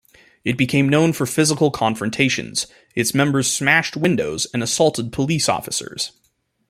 It became known for physical confrontations: its members smashed windows and assaulted police officers.